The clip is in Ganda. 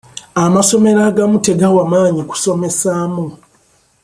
Amasomero agamu tegawa maanyi kusomesaamu.